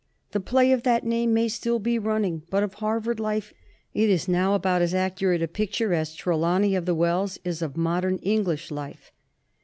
The play of that name may still be running, but of Harvard life it is now about as accurate a picture as Trelawney of the Wells is of modern English life.